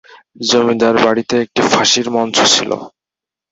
জমিদার বাড়িতে একটি ফাঁসির মঞ্চ ছিল।